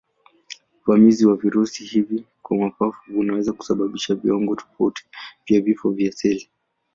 Uvamizi wa virusi hivi kwa mapafu unaweza kusababisha viwango tofauti vya vifo vya seli.